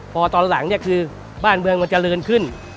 พอตอนหลังเนี่ยคือบ้านเมืองมันเจริญขึ้น